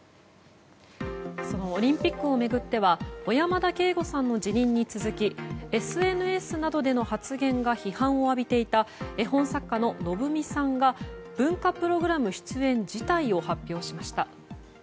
そのオリンピックを巡っては小山田圭吾さんの辞任に続きＳＮＳなどでの発言が批判を浴びていた絵本作家ののぶみさんが文化プログラム出演辞退を発表しました。